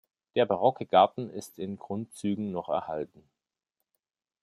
Der barocke Garten ist in Grundzügen noch erhalten.